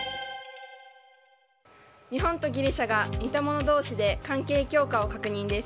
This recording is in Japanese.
日本とギリシャが似た者同士で関係強化を確認です。